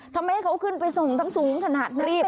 ทำไมเขาขึ้นไปส่งทั้งสูงขนาดนั้น